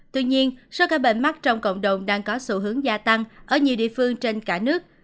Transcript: tuy nhiên số ca bệnh mắc trong cộng đồng đang có xu hướng gia tăng ở nhiều địa phương trên cả nước